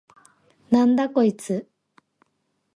なんだこいつ！？